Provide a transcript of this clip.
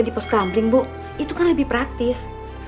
di pos kampling bu itu kan lebih praktis